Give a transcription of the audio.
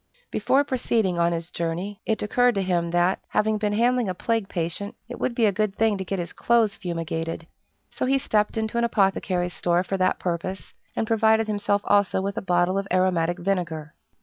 Before proceeding on his journey, it occurred to him that, having been handling a plague patient, it would be a good thing to get his clothes fumigated; so he stepped into an apothecary's store for that purpose, and provided himself also with a bottle of aromatic vinegar.